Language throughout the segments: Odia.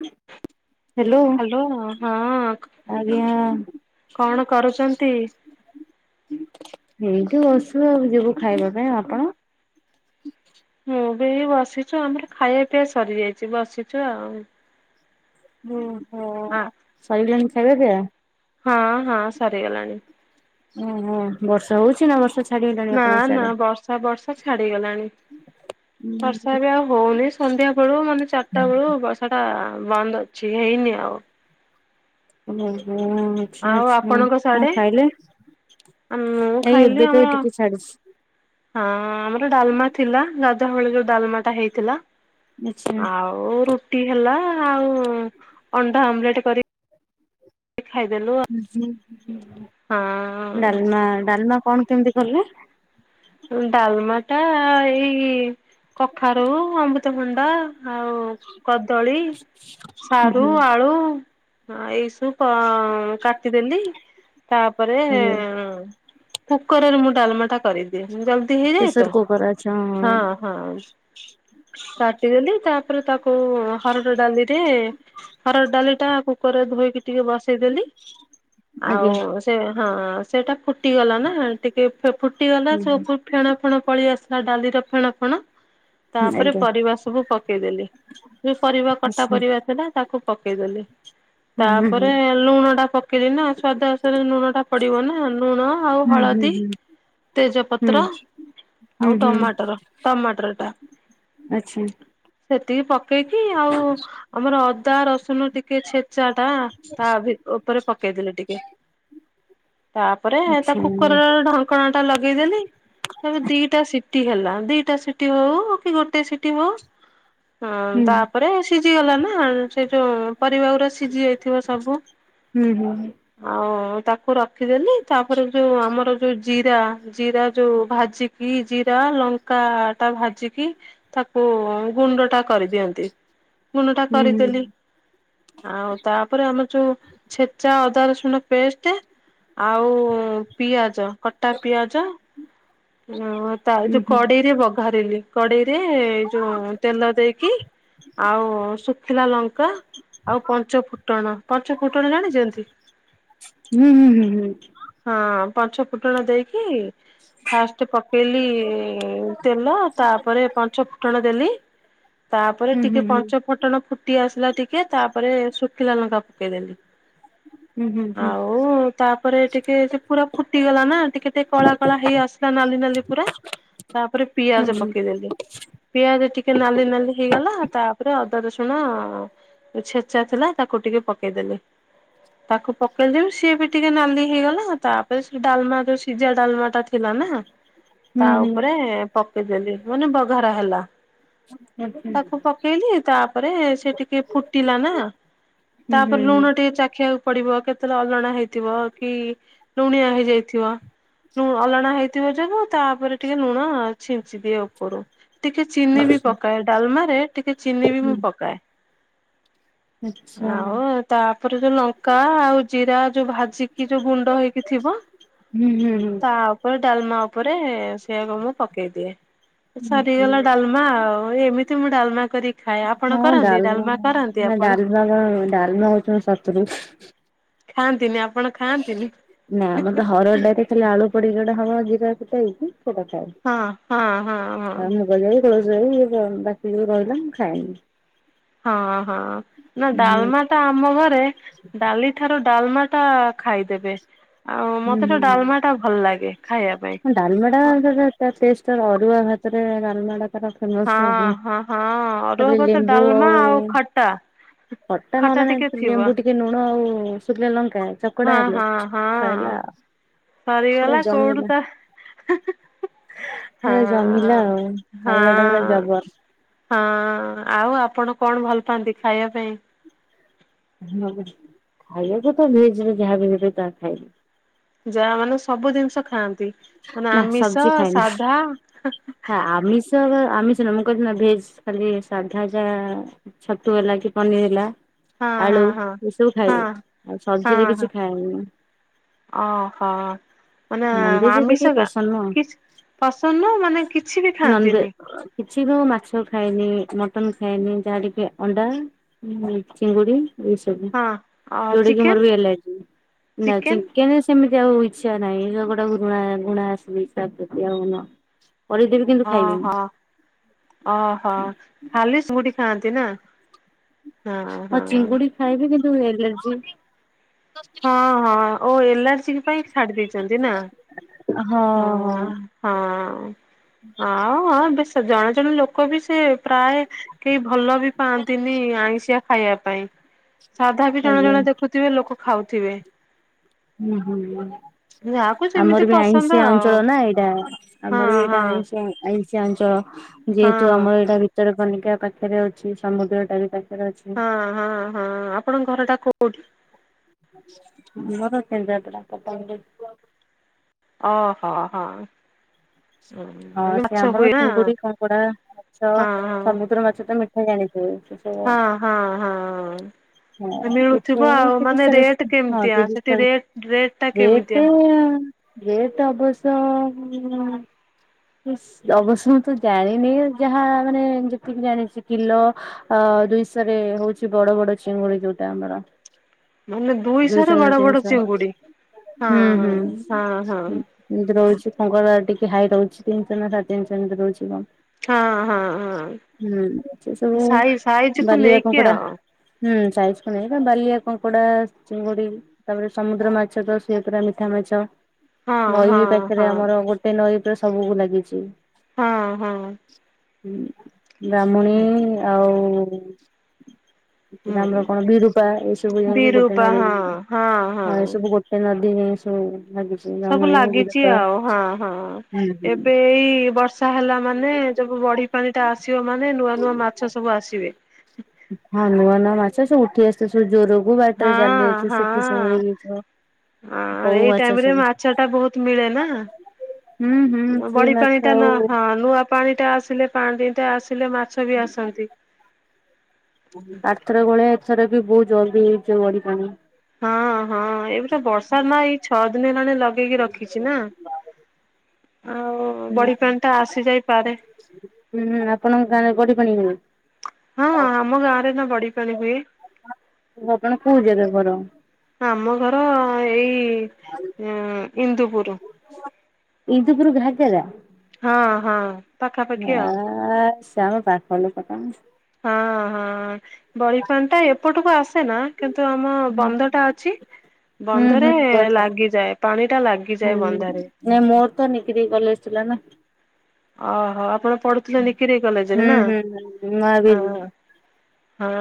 [unintelligible] ହାଲୋ ହ୍ୟାଲୋ ହଁ ଆଜ୍ଞା। କଣ କରୁଛନ୍ତି? ଏଇଠି ବସଚୁ ଆଉ ଯିବୁ ଖାଇବା ପାଇଁ ଆଉ ଆପଣ? ମୁଁ ବି ଏଇ ବସିଛୁ ଆମର ଖାଇବା ପିଇବା ସରିଯାଇଛି ବସିଛୁ ଆଉ। ଓହୋ ହଁ ସଇଲାଣି ଖାଇବା ପିଆ। ହଁ ହଁ ସରିଗଲାଣି। ଓହୋ ବର୍ଷା ହୋଉଛି ନା ବର୍ଷା ଛା ନା ନା ବର୍ଷା ବର୍ଷା ଛାଡିଗଲାଣି ବର୍ଷା ବି ଆଉ ହୋଉନି ସନ୍ଧ୍ୟା ବେଳୁ ମାନେ ଚାରଟା ବେଳୁ ବର୍ଷାଟା ବନ୍ଦ ଅଛି ହେଇନି ଆଉ। ଓହୋ ହୁଁ ହୋଉନି। ଆଚ୍ଛା ଆଉ ଆଚ୍ଛା ଆପଣଙ୍କ କଣ ସାଡେ ଖାଇଲେ ମୁଁ ଏଇ ଖାଇଲି ଏବେ ତ ଆମର ଏଇ ଟିକେ ଛାଡିଛି। ହଁ ହଁ ଆମର ଡାଲମା ଥିଲା ଗାଧୁଆ ବେଳେ ଯୋଉ ଡାଲମାଟା ହେଇଥିଲା। ଆଚ୍ଛା। ଆଉ ରୁଟି ହେଲା ଆଉ ଅଣ୍ଡା ଅମଲେଟ କରି ଖାଇଦେଲୁ ଆ ଉଁହୁଁ ଡାଲମା ଡାଲମା କଣ କେମିତି କଲେ? ହୁଁ ଡାଲମାଟା ଏଇ କଖାରୁ, ଅମୃତଭଣ୍ଡା ଆଉ କଦଳୀ, ହୁଁ ସାରୁ, ହୁଁ ଆଳୁ ଆ ଏଇସବୁ ପ କାଟିଦେଲି ତାପରେ ଆଜ୍ଞା କୁକରରେ ମୁଁ ଡାଲମାଟା କରିଦିଏ ମୁଁ ଜଲଦି ହେଇଯାଏ ପ୍ରେସର ତ କୁକର ଆଚ୍ଛା ହଁ ହଁ। କାଟିଦେଲି ତାପରେ ତାକୁ ହରଡ଼ ଡାଲିରେ ହରଡ ଡାଲିଟା କୁକରରେ ଧୋଇକି ଟିକେ ବସେଇଦେଲି। ଆଜ୍ଞା ଆଉ ସେ ହଁ ସେଇଟା ଫୁଟ୍ ଟିଗଲା ନା ଟିକେ ଫେ ଫୁଟିଗଲା ହୁଁ ସେ ହୁଁ ଉପରୁ ଫେଣ ଫେଣ ପଳି ଆସଲା ଡାଲିର ଫେଣ ଫେଣ ତାପରେ ଆଜ୍ଞା ଆଚ୍ଛା ପରିବା ସବୁ ପକେଇଦେଲି ଯୋଉ ପରିବା କଟା ହୁଁ ପରିବା ଥିଲା ତାକୁ ପକେଇଦେଲି। ହୁଁ ହୁଁ ତାପରେ ଲୁଣଟା ପକେଇ ଦେନି ନା ଆଉ ସ୍ଵାଦ ଆନସାରେ ଲୁଣଟା ପଡିବ ନା ଲୁଣ ଆଉ ହଳଦୀ ଉହୁଁ। ତେଜପତ୍ର ଆଉ ଟମାଟର ଟମାଟରଟା। ଆଛା। ସେତିକି ପକେଇକି ଆଉ ଆମର ଅଦା ରସୁଣ ଟିକେ ଛେଚାଟା ତା ଭି ଓପରେ ପକେଇଦେଲେ ଟିକେ। ତାପରେ ତା କୁକର ଆଚ୍ଛା ଢ କଣା ଟା ଲଗେଇଦେଲି ତାର ଦିଟା ସିଟି ହେଲା ଦିଟା ସିଟି ହଉ ହଉ କି ଗୋଟେ ସିଠି ହଉ ହୁଁ-ଉ ହଁ ତାପରେ ସିଝି ଗଲା ନା ସେ ଯୋଉ ପରିବା ଗୁରା ସିଝି ଯାଇଥିବ ସବୁ ଡାଲମା ଆଉ-ଉ-ଉ ତାକୁ ରଖିଦେଲି ତାପରେ ଯୋଉ ଆମର ଯୋଉ ଯ ଜିରା ଜିରା ଯେଉ ଭାଜିକି ଜିରା ଲଙ୍କା ଟା ଭାଜିକି ତାକୁ-ଉ-ଉ ଗୁଣ୍ଡ ଟା କରିଦିଅନ୍ତି ଗୁଣ୍ଡ ଟା କରିଦେଲି। ଆଉ ତାପରେ ଆମର ଯୋଉ ଛେଚା ଅଦା ରସୁଣ ପେଷ୍ଟେ ଆଉ-ଉ-ଉ ପିଆଜ କଟା ପିଆଜ। ଓ-ଓ ତା ଯୋଉ କଡେଇରେ ବଘାରିଲି କଡେଇରେ-ଏ-ଏ ଯୋଉ ତେଲ ଦେଇକି ଆଉ-ଉ-ଉ ଶୁଖିଲା ଲଙ୍କା ଆଉ ପଞ୍ଚୁ ଫୁଟଣ, ପଞ୍ଚୁ ଫୁଟଣ ଜାଣିଛନ୍ତି? ହଁ-ଅ-ଅ ପଞ୍ଚୁ ଫୁଟଣ ଦେଇକି ଫାଷ୍ଟ ପକେଇଲି-ଇ-ଇ-ଇ ତେଲ ତାପରେ ପଞ୍ଚୁ ଫୁଟଣ ଦେଲି ତାପରେ ଟିକେ ପଞ୍ଚୁ ଫୁଟଣ ଫୁଟି ଆସିଲା ଟିକେ ତାପରେ ଶୁଖିଲା ଲଙ୍କା ପକେଇଦେଲି। ଆଉ-ଉ-ଉ-ଉ ତାପରେ ଟିକେ ସେ ପୁରା ଫୁଟିଗଲା ନା ଟିକେ ଟିକେ କଳା କଳା ହେଇ ଆସି ନାଲି ନାଲି ପୂରା ତାପରେ ପିଆଜ ପକେଇ ଦେଲି, ପିଆଜ ଟିକେ ନାଲି ନାଲି ହେଇଗଲା ତାପରେ ଅଦା ରସୁଣ-ଅ-ଅ-ଅ ଛେଚା ଥିଲା ତାକୁ ଟିକେ ପକେଇଦେଲି। ତାକୁ ପକେଇଦେବି ସିଏ ବି ଟିକେ ନାଲି ହେଇଗଲା ତାପରେ ସେ ଡାଲମା ଯୋଉ ସିଝା ଡାଲମା ଟା ଥିଲା ଆ ତା ଉପରେ ପକେଇଦେଲି ମାନେ ବଘରା ହେଲା। ତାକୁ ପକେଇଲି ତାପରେ-ଏ-ଏ ସେ ଟିକେ ଫୁଟିଲା ନା। ତାପରେ ଲୁଣ ଟିକେ ଚାଖିଆକୁ ପଡିବ କେତେବେଳେ ଅଲଣା ହେଇଥିବ କି ଲୁଣିଆ ହେଇଯାଇଥିବ ଲୁ ଅଲଣା ହେଇ [unintelligible] ତାପରେ ଟିକେ ଲୁଣ-ଅ ଛିଞ୍ଚି ଦିଏ ଉପରୁ। ଟିକେ ଚିନି ବି ପକାଏ ଡାଲମାରେ ଟିକେ ଚିନି ବି ମୁଁ ପକାଏ। [unintelligible] ଆଉ-ଉ-ଉ ତାପରେ ଯୋଉ ଲଙ୍କା ଆଉ ଜିରା ଯୋଉ ଭାଜିକି ଯୋଉ ଗୁଣ୍ଡ ହେଇକି ଥିବ। ହୁଁ ହୁଁ ହୁଁ। ତା ଉପରେ ଡାଲମା ଉପରେ ସେଇଆକୁ ମୁଁ ପକେଇ ଦିଏ। ସରିଗଲା ଡାଲମା ଆଉ ଏମି ତି ମୁଁ ଡାଲମା କରିକି ଖାଏ। ଆପଣ କରନ୍ତି ଡାଲମା କରନ୍ତି ଆପଣ? ହୁଁ ଡାଲମା ହଉଛି ମୋ ଶତ୍ରୁ। ଖାଆନ୍ତିନି ଆପଣ ଖାଆନ୍ତିନି। ନା ମତେ ହରଡ଼ ଡା଼ଲି ଖାଲି ଆଳୁ ପଡ଼ି କି ହବ ଜିରା ଫୁଟା ହେଇକି ସେଇଟା ଖାଏ। ହଁ ହଁ ହଁ ହଁ। ଆଉ ମୁଗ ଜାଇ, କୋଳଥ ଜାଇ ଅ ଯ ବାକି ଯୋଉ ରହିଲା ମୁଁ ଖାଏନି। ହଁ ହଁ ନା ହୁଁ ଡାଲମା ଟା ଆମ ଘରେ ଡାଲି ଠାରୁ ଡାଲମା ଟା ଖାଇଦେବେ। ଆଉ-ଉ ମତେ ତ ହୁଁ। ଡାଲମା ଟା ଭଲ ଲାଗେ ଖାଇବା ପାଇଁ। ଡାଲମା ଟା ତା ଟେଷ୍ଟ ଅରୁଆ ଭାତରେ ଡାଲମାଟା ତାର ଫେମସ୍ ହଁ ସବୁ ହଁ ହଁ ଅରୁଆ ତାପରେ ଭାତ ଲେମ୍ବୁ ଡାଲମା ଆଉ ଆଉ-ଉ-ଉ-ଉ ଖଟା। ଖଟା ନହେଲା ଟିକେ ନାହିଁ ଥିବ ଲେମ୍ବୁ ଟିକେ ଲୁଣ ଆଉ ଶୁଖିଲା ଲଙ୍କା ଚକଡା ହଁ ହଁ। ସରିଲା। ସରିଗଲା କୋଉଠୁ ତା ହୁଁହୁଁହୁଁ ପୁରା ଜମିଲା ହଁ-ଅଁ-ଅଁ ଆଉ ଖାଇବାଟା ପୁରା ହଁ-ଅଁ-ଅଁ। ଜବର। ହଁଅ ଆଉ ଆପଣ କଣ ଭଲ ପାଆନ୍ତି ଖାଇବା ପାଇଁ? [inaudible] ଖାଇବାକୁ ତ ଭେଜରେ ଯାହା ବି ଦେବେ ତାହା ଖାଇବି। ଯାହା ମାନେ ସବୁ ଜିନିଷ ଖାଆନ୍ତି ମାନେ ନା ଆମିଷ ସବଜି ଖାଏନି ସାଧା ହାଁହାଁ। [inaudible] ଆମିଷ ନା ମୁଁ କହିଲି ନା ଭେଜ୍ ଖାଲି ସାଧା ଯା ଛତୁ ହେଲା କି ପନିର୍ ହେଲା। ହଁ ଆଳୁ ହଁ ହଁ। ଏସବୁ ଖାଇବି ହଁ ଆଉ ସବଜିରେ କିଛି ଖାଏନି। ଓହୋଃ। ମାନେ ନନଭେଜ ଏତେ ଟିକେ ଆମିଷ ନା ପସନ୍ଦ ନୁହଁ। କିଛି ପସନ୍ଦ ନୁହଁ ମାନେ କିଛି ବି ନନଭେ ଖାଆନ୍ତିନି? କିଛି ମୁଁ ମାଛ ଖାଏନି, ମଟନ ଖାଏନି, ଯାହା ଟିକେ ଅଣ୍ଡା ହୁଁ ହୁଁ ଚିଙ୍ଗୁଡି ଏଇସ୍ ଆଜ୍ଞା, ହଁ ଅ ଯୋଉଟା କିି ମୋର ଚିକେନ ବି ଏଲାର୍ଜି, ନା ଚିକେନ ଚିକେନେ ଏମିତି ଆଉ ଇଚ୍ଛା ନାହିଁ, ଗୋଟେ ଘୃଣା ଘୃଣା ଆସିଯାଇଛି ତା ପ୍ରତି ଆଉ ନୁହଁ, ଅଢେଇଦିନ୍ ହଁ ହଁ, ଅ ହ ଖାଲି ସିଙ୍ଗୁଡ଼ି ଖାଆନ୍ତି ନା? ହଁ ମୁଁ ହଁ। ଚିଙ୍ଗୁଡି ଖାଇବି କିନ୍ତୁ ଏଲର୍ଜି ହଁ ହଁ, ଓ ଏଲାର୍ଜିକ୍ ପାଇଁ ଛାଡି ଦେଇଛନ୍ତି ନା, ହଁ ହଁଅ। ହଁ ହଁଅ, ହଁ-ହଁ ବେଶ୍ ଜଣେ ଜଣେ ଲୋକ ବି ସେ ପ୍ରାୟ କେହି ଭଲ ବି ପାଆନ୍ତିନି ଆଇଁଷିଆ ଖାଇବା ପାଇଁ। ସାଧା ବି ଜଣେ ଆଜ୍ଞା ଜଣେ ଦେଖୁଥିବେ ଲୋକ ଖାଉଥିବେ। ହୁଁହୁଁ ଯାହାକୁ ଯେମିତି ଆମର ବି ପସନ୍ଦ ଆଇଁଷିଆ ଆଉ ଅଞ୍ଚଳ ନା ଏଇଟା, ହଁ ଆମର ଏଇଟା ହଁ ଆଇଁଷ୍ [inaudible] ଆଁଇଷିଆ ଅଞ୍ଚଳ ହଁ ଯେହେତୁ ଆମର ଏଇଟା ବି ଭିତରକନିକା ପାଖରେ ଅଛି, ସମୁଦ୍ରଟା ବି ପାଖରେ ଅଛି। ହଁ-ହଁ-ହଁ, ଆପଣଙ୍କ ଘରଟା କୋଉଠି? ମୋ ଘର କେନ୍ଦ୍ରାପଡ଼ା, ପଟ୍ଟାମୁଣ୍ଡେଇ। ଓହୋଃ ହଁ। ହଁ ମାନେ ସେ ମାଛ ଆମର ହୁଏ ନା ଚିଙ୍ଗୁଡି, କଙ୍କଡା, ମାଛ, ହଁ ସମୁଦ୍ର ମାଛ ତ ମିଠା ଜାଣିଛି। [unintelligible] ହଁ -ହଁ ହଁ -ହଁ। ଏଠୁ ମିଳୁଥିବ ଆଉ ତିରିଶ ମାନେ ଚାଳିଶ ରେଟ୍ ହଁ କେମିତିଆ ତିରିଶ ସେଠି ଚାଳିଶ ରେଟ୍, ରେଟଟା ରେଟ୍ କେମିତିଆ? ରେଟ୍ ଅବଶ୍ୟ ହୁଁ-ହୁଁ-ହୁଁ ଇସ୍ ଅବଶ୍ୟ ମୁଁ ତ ଜାଣିନି ଯାହା ମାନେ ଯେତିକି ଜାଣିଛି କିଲୋ ଅଅ ଦୁଇଶରେ ହଉଛି ବଡ ବଡ ଚିଙ୍ଗୁଡ଼ି ଯୋଉଟା ଆମର। ମାନେ ରେ ଦୁଇଶହ ନା ବଡ ବଡ ତିନିଶହ ଚିଙ୍ଗୁଡି ହଁ ହୁଁ-ହୁଁ-ହୁଁ। ହଁ ହଁ ହଁ ଏମିତି ରହୁଛି, କଙ୍କଡ଼ା ଟିକେ ହାଇ ରହୁଛି ତିନିଶ ନା ସାଢେ ତିିନିଶହ ଏମିତି ରହୁଛି ହଁ ହଁ ହଁ। କଣ। ହୁଁ ସେ ସବୁ ସାଇ ସାଇଜକୁ ବାଲିଆ ନେଇକି କଙ୍କଡ଼ା। ଆଉ ହୁଁ ସାଇଜକୁ ନେଇ ବା ବାଲିଆ କଙ୍କଡା, ଚିଙ୍ଗୁଡି। ତାପରେ ସମୁଦ୍ର ମାଛ ତ ସିଏ ପୁରା ମିଠା ମାଛ ହଁ ନଈ ବି ହଁ ପାଖରେ ହଁ ଆମର ଗୋ ଏ ନଈଟା ସବୁକୁ ଲାଗିଛି। ହଁ ହଁ। ହୁଁ ବ୍ରାହ୍ମୁଣୀ ଆଉ ହୁଁ [inaudible] ଆମର କଣ ବିରୂପା ଏସବୁ [inaudible] ଗୋଟେ ନଈରେ ହଁ ଏସବୁ ଗୋଟ୍ ତ ନଦୀରେ ସବୁ ଲାଗି ସବୁ ଲାଗିଛି ଆଉ, ହଁ ହଁ ହୁଁ ହୁଁ। ଏବେ ଏଇ ବର୍ଷ୍ ର୍ଷା ହେଲା ମାନେ ଯବୁ ବଢ଼ି ପାଣିଟା ଆସିବ ମାନେ ନୂଆ ନୂଆ ମାଛ ସବୁ ଆସିବେ। ହଁ ନୂଆ ନୂଆ ମାଛ ସବୁ ଉଠି ଆସିବେ ଯୋରକୁ ବାଟରେ ହଁ ଚାଲିଆସିବେ ସେଥି ସବୁ ହଁ କଉ ଏଇ ମାଛ ଟାଇମ ରେ ସବୁ ମାଛ ଟା ବହୁତ ମିଳେ ନା। ହୁଁ ହୁଁ ସେଇ ବଡି ମାଛ ପାଣି ଟା ନା ଆଉ ହଁ ନୂଆ ପାଣି ଟା ଆସିଲେ ପାଣି ଟା ଆସିଲେ ମାଛ ବି ଆସନ୍ତି। ଆର ଥର ଭଳିଆ ଏଥର ବି ବହୁତ ଜଲଦି ହେଇଛି ବଡି ପାଣି। ହଁ ହଁ ଏବେ ତ ବର୍ଷା ମା ଏଇ ଛଅ ଦିନ ହେଲାଣି ଲଗେଇକି ରଖିଛି ନା? ଆଉ ହୁଁ ବଡି ପାଣି ଟା ଆସି ଯାଇପାରେ ହୁଁ ହୁଁ ଆପଣଙ୍କ ଗାଁରେ ବଡ଼ି ପାଣି ହୁଏ? ହଁ ଆମ ଗାଁ ରେ ନା ବଡିି ପାଣି ହୁଏ। ଆପଣ କୋଉ ଜାଗା ଘର? ଆମ ଘର ଏଇ ଇନ୍ଦୁପୁର। ଇନ୍ଦୁପୁର ଘାଗେରା? ହଁ ହଁ। ପାଖାପାଖି ଆ ଆଉ ସେ ଆମ ପାଖ ଲୋକ ତମେ। ହଁ ହଁ ହଁ ହଁ ବଡି ପାଣି ଟା ଏପଟକୁ ଆସେ ନା କିନ୍ତୁ ଆମ ବନ୍ଧ ଟା ଅଛି। ହୁଁ ବନ୍ଧରେ ହୁଁ ଭଲ ଲାଗିଯାଏ ପାଣି ଟା ହୁଁ ଲାଗିଯାଏ ବନ୍ଧରେ। ନାଇଁ ମୋର ତ ନିକିରି କଲେଜ୍ ଥିଲା ନା। ଓହୋ ଆପଣ ପଢୁଥିଲେ ନିକିରି କଲେଜରେ ହୁଁ ନା? ହୁଁ ହୁଁ ମା ବି ହଁ। ହଁ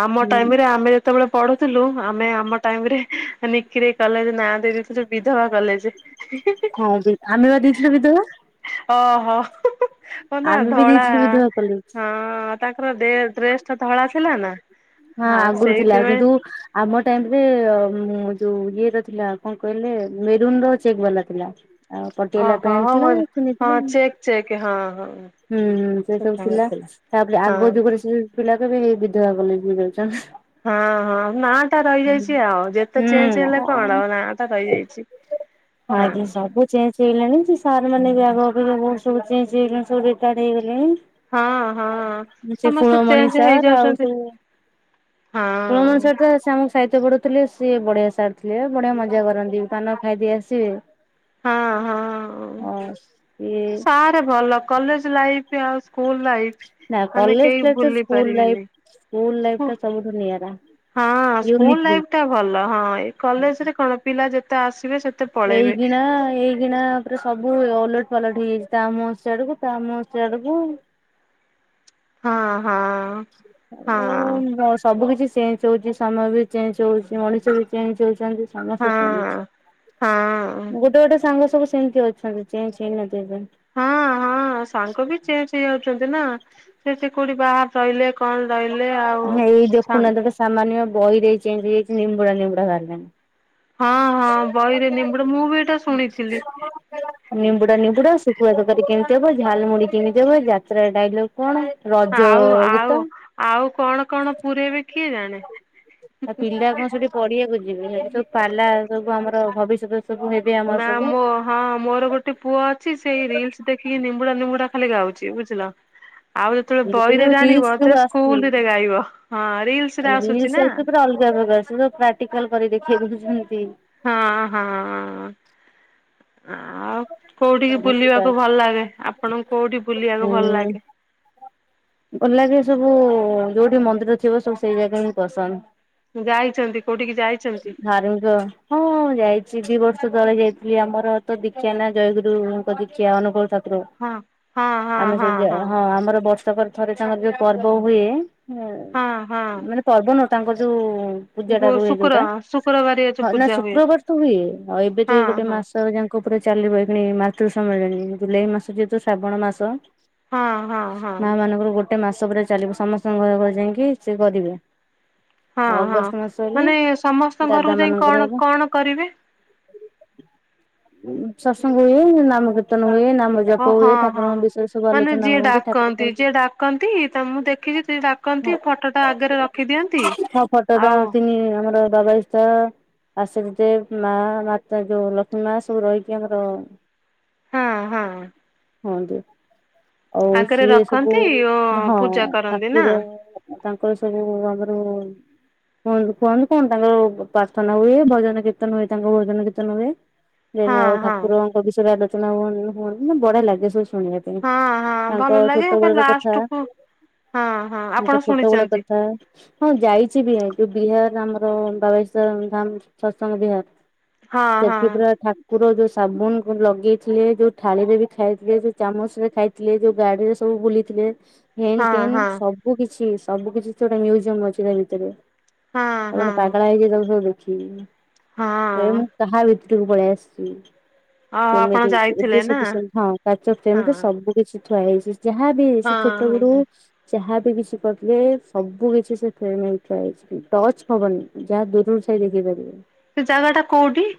ଆମ ହୁଁ ଟାଇମରେ ଆମେ ଯେତେବେଳେ ପଢୁଥିଲୁ ଆମେ ଆମ ଟାଇମ ରେ ମାନେ କଲେଜ ନାଁ ଦେଇ ଦେଇଥିଲୁ ସେ ବିଧବା କଲେଜ, ହେ ହେ ହେ। ହଁ ଆମେ ବା ଦେଇଥିଲୁ ବିଧବା। ଓହୋ। ହଁ ନା ଆମେ ବି ଧଳା ଦେଇଥିଲୁ ବିଧବା କଲେଜ। ହଁ ତାଙ୍କର ଡେ ଡ୍ରେସ ଟା ଧଳା ଥିଲା ନା। ହଁ ଆଉ ଆଗରୁ ଥିଲା ସେଇଥିପାଇଁ କିନ୍ତୁ ଆମ ଟାଇମ ରେ ଉଁ ଯୋଉ ଇଏ ର ଥିଲା କଣ କହିଲେ ମେରୁନ ର ଚେକ୍ ବାଲା ଥିଲା। ଆଉ ପଟିଆଲା ପ୍ୟାଣ୍ଟ ଥିଲା ଚୁନି ଥିଲା। ଚେକେ ହଁ ହଁ। ହୁଁ ହୁଁ ସେ ସବୁ ଥିଲା ତାପରେ ଆଗ ହଁ ଯୁଗରେ ସେ ପିଲା କହିବେ ବିଧବା ବୋଲି କି ଯାଉଛ। ହଁ ହଁ ନା ଟା ରହିଯାଇଛି ଆଉ ଯେତେ ଚେଞ୍ଜ ହୁଁ। ହେଲେ କଣ ଆଉ ନାଁ ଟା ରହିଯାଇଛି। ହଁ ଆଜ୍ଞା ସବୁ ଚେଞ୍ଜ ହେଲାଣି ସେ ସାର ମାନେ ବି ଆଗ ଅପେକ୍ଷା ଏବେ ବହୁତ ସବୁ ଚେଞ୍ଜ ହେଲାଣି ସବୁ ରିଟାର୍ଡ ହେଇଗଲେଣି। ହଁ ହଁ ସେ ସମସ୍ତେ କୁଳମଣି ଚେଞ୍ଜ ସାର୍ ଆଉ ହେଇଯାଉଛନ୍ତି। ସବୁ କୁଳମଣି ସାର୍ ହଁ। ଟା ସେ ଆମକୁ ସାହିତ୍ୟ ପଢୁଥିଲେ ସିଏ ବଢିଆ ସାର ଥିଲେ ବଢିଆ ମଜା କରନ୍ତି ପାନ ଖାଇଦେଇ ଆସିବେ। ହଁ ହଁ ଅ ସିଏ ସ ଏତେ ଭଲ କଲେଜ ଲାଇଫ ଆଉ ସ୍କୁଲ ଲାଇଫ୍। ନା କଲେଜ ଲାଇଫ ଠାରୁ ସ୍କୁଲ ଲାଇଫ ସ୍କୁଲ ଲାଇଫ ଟା ସବୁଠୁ ନିଆରା। ହଁ ୟୁନିକ୍ ସ୍କୁଲ ବି। ଲାଇଫ ଟା ଭଲ ହଁ ଏ କଲେଜରେ କଣ ପିଲା ଯେତେ ଆସ ଏଇ କିିଣା ଏ କିିଣା ପରେ ସବୁ ଓଲଟ ପାଲଟ ହେଇଯାଇଛି, ତା ମୁଁହ ଆଡକୁ ତା ମୁଁହ ଆଡକୁ। ହଁ ହଁ। ହଁ ଆଉ ବା ସବୁ କିଛି ଚେଞ୍ଜ ହଉଛି ସମୟ ବି ଚେଞ୍ଜ ହଉଛି ମଣିଷ ବି ଚେଞ୍ଜ ହଉଛନ୍ତି। ସମସ୍ତେ ହଁ ଚେଞ୍ଜ। ହଁ। ଗୋଟେ ଗୋଟେ ସାଙ୍ଗ ସବୁ ସେମିତି ଅଛନ୍ତି। ଚେଞ୍ଜ ହେଇନଥିପେ ପା। ହଁ ହଁ ସାଙ୍ଗ ବି ଚେଞ୍ଜ ହେଇଯାଉଛନ୍ତି ନା। ସେଠି କୋଉଠି ବା ରହିଲେ କଣ ରହିଲେ ଆଉ ଏଇ ସା ଦେଖୁନାହାନ୍ତି ଗୋଟେ ସାମାନ୍ୟ ବହିରେ ଏଇ ଚେଞ୍ଜ ହେଇଯାଇଚି ନିମ୍ବୁଡା ନିମ୍ୱୁଡ଼ା ବାହାରିଲାଣି। ହଁ ହଁ ବହିରେ ନିମ୍ବୁଡା ମୁଁ ବି ଏଇଟା ଶୁଣିଥିଲି। ନିମ୍ବୁଡା ନିମ୍ବୁଡା, ଶୁଖୁଆ ତକାରୀ କେମିତି ହବ ଝାଲମୁଢୀ କେମିତି ହବ ଯାତ୍ରା ଡାଇଲଗ୍ କଣ ରଜ ଆଉ ଆଉ ଗୀତ ଆଉ କଣ କଣ ପୁରେଇବେ କିଏ ଜାଣେ? ଆ ପିଲା କଣ ସେଠି ପଢିଆକୁ ଯିବେ, ସେଠି ସବୁ ପାଲା ସବୁ ଆମର ଭବିଷ୍ୟତରେ ସବୁ ହେ ନା ମୋ ହଁ ମୋର ଗୋଟେ ପୁଅ ଅଛି ସେଇ ରିଲସ୍ ଦେଖିକି ନିମ୍ବୁଡା ନିମ୍ବୁଡା ଖାଲି ଗାଉଚି ବୁଝିଲ। ଆଉ ଯେତେବେଳେ ଏବେ ବହିରେ ଯୋଉ ରିଲସ ଜାଣିବ ତେବେ ସବୁ ଆସୁଛି ସ୍କୁଲରେ ଗାଇବ। ହଁ ରିଲସ୍ ରେ ଆସୁଚି ନା। ସେଗୁଡା ପ୍ରାକ୍ଟିକାଲ କରି ଦେଖେଇ ଦଉଛନ୍ତି। ହଁ ହଁ। ଆଉ କୋଉଠିକି ଏମତି ସାର୍ ବୁଲିବାକୁ ଭଲ ଲାଗେ ଆପଣଙ୍କୁ କୋଉଠି ବୁଲିବାକୁ ଭଲ ହୁଁ ଲାଗେ? ଭଲ ଲାଗେ ସବୁ ଯଉଠି ମନ୍ଦିର ଥିବ ସବୁ ସେଇ ଜାଗା ହିଁ ପସନ୍ଦ। ଯାଇଚନ୍ତି। ଧାର୍ମିକ ହଁ ହଁ ଯାଇଚି ଦି ବର୍ଷ ତଳେ ଯାଇଥିଲି, ଆମର ତ ଦୀକ୍ଷା ନା ଜୟଗୁରୁଙ୍କ ଦୀକ୍ଷା ଅନୁକୁଳ ଠା କୁର। ହଁ ହଁ ହଁ ଆମେ ହଁ ସବୁ ଜା ହଁ ଆମର ବ ବର୍ଷକରେ ଥରେ ତାଙ୍କର ଯଉ ପର୍ବ ହୁଏ ହଁ ହଁ। ମାନେ ପର୍ବ ନୁହେଁ ତାଙ୍କର ଯୋଉ ପୂଜା ଟା ଗୋ ରୁହେ ଶୁକ୍ର ଯଉ ଶୁକ୍ରବାରିଆ ଯୋଉ ହଁ ନା ପୂଜା ହୁଏ ଶୁକ୍ରବାର ତ ହୁଏ। ଆଉ ଏବେ ତ ହଁ ଏଇ ଗୋଟେ ହଁ ମାସ ଯା ଙ୍କ ପୁରା ଚାଲିବ ଏବେ ମାତୃ ସମ୍ମିଳନୀ। ଜୁଲାଇ ମାସ ଯେହେତୁ ଶ୍ରାବଣ ମାସ ହଁ ହଁ ହଁ ମା ମାନଙ୍କର ଗୋଟେ ମାସ ପୁରା ଚାଲିବ। ସମସ୍ତଙ୍କ ଘର ଘରେ ଯାଇଁକି ସେ କରିବେ ହଁ ଆଉ ହଁ। ଅଗଷ୍ଟ ମାସ ହେଲେ ମାନେ ସମସ୍ତଙ୍କ ଦାଦା ଘରକୁ ଯାଇ ମାନଙ୍କର କଣ ହବ କଣ କରିବେ? ସତ୍ସଙ୍ଗ ହୁଏ ନାମ କୀର୍ତ୍ତନ ହୁଏ। ନାମ ଓ ଜପ ହଁ ହୁଏ ଠାକୁରଙ୍କ ହଁ। ବିଷୟରେ ସବୁ ମାନେ ଆଲୋଚନା ଯିଏ ହୁଅନ୍ତି ଠାକୁର ଡାକନ୍ତି କେମତି ଯିଏ ଡାକନ୍ତି ତ ମୁଁ ଦେଖିଛି ଯିଏ ଡାକନ୍ତି ଫଟୋ ଟା ଆଗରେ ରଖିଦିଅନ୍ତି। ଆଉ [unintelligible] [unintelligible] ମା ମାତା ଯୋଉ ଲକ୍ଷ୍ମୀ ମା ସବୁ ରହିକି ଆମର ହଁ ହଁ। ହୁଅନ୍ତି। ଆଉ ଆଗରେ ସିଏ ସବୁ ରଖନ୍ତି ଓ ପୁରା ପୂଜା ହଁ କରନ୍ତି ନା। ଠାକୁର ତାଙ୍କର ସବୁ ଆମର [unintelligible] କଣ ତାଙ୍କର ପ୍ରାର୍ଥନା ହୁଏ। ଭଜନ କୀର୍ତ୍ତନ ହୁଏ ତାଙ୍କ ଭଜନ କୀର୍ତ୍ତନ ହୁଏ। ହଁ ଆଉ ହଁ ଠାକୁରଙ୍କ ବିଷୟରେ ଆଲୋଚନା ହୁଅ ହୁ ମାନେ ବଢିଆ ଲାଗେ ସବୁ ଶୁଣିବାକୁ। ହଁ ହଁ ତାଙ୍କ ଭଲ ଲାଗେ ଛୋଟ ଏବେ ବେଳର କଥା ଲାଷ୍ଟ କୁ ହଁ ହଁ ଆପଣ ତାଙ୍କ ଛୋଟ ବେଳ ଶୁଣିଛନ୍ତି କଥା ହଁ ଯାଇଚି ବି। ଯୋଉ ବିହାର ଆମର ବାବେଶ୍ଵର ଧାମ ସତ୍ସଙ୍ଗ ବିହାର ହଁ ହଁ ସେଠି ପୁରା ଠା ଠାକୁର ଯୋଉ ସାବୁନ କୁ ଲଗେଇଥିଲେ, ଯୋଉ ଥାାଳି ରେ ବି ଖାଇଥିଲେ, ବି ଚାମଚ ରେ ଖାଇ ଥିଲେ ଯୋଉ ଗାଡିରେ ସବୁ ବୁଲିଥିଲେ ହେନ୍ ହଁ ଟେନ୍ ହଁ। ସବୁ କିଛି ସବୁ କିଛି ଛଡା ମୁଜିୟମ ଅଛି ତା ଭିତରେ। ହଁ ଆପଣ ହଁ ପାଗଳା ହେଇଯିବେ ତାକୁ ସବୁ ଦେଖିକି। କହିବେ ହଁ ମୁଁ କାହା ଭିତରକୁ ପଳେଇ ଆସିଚି। ଓ ଆପଣ ସେମିତି ଯାଇଥିଲେ ଏବେ ନା ସବୁ ସେମ ହଁ କାଚ ହଁ। ଫ୍ରେମରେ ସବୁ [unintelligible] ଥୁଆ ହେଇଛି ଯାହା ବି ହଁ ସେ ଛୋଟ ଗୁଡୁ ହଁ ଯାହା ବି କିଛି କରିଥିଲେ ସବୁ କିଛି ସେ [unintelligible] ଟଚ ହବନି ଯାହା ଦୂରରୁ ଥାଇ ଦେଖିପାରିବେ। ସେ ଜାଗା ଟା କୋଉଠି?